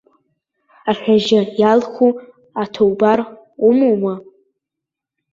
Аҳәажьы иалху аҭоубар умоума?